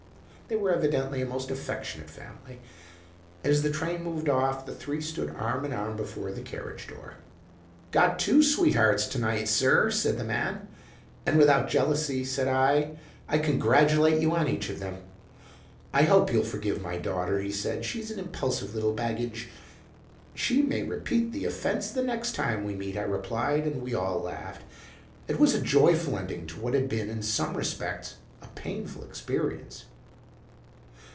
"They were evidently a most affectionate family. As the train moved off the three stood arm in arm before the carriage door. "'Got two sweethearts to night, sir,' said the man. "'And without jealousy,' said I. 'I congratulate you on each of them.' "'I hope you'll forgive my daughter,' he said; 'she's an impulsive little baggage.' "'She may repeat the offence the next time we meet,' I replied; and we all laughed. "It was a joyful ending to what had been, in some respects, a painful experience."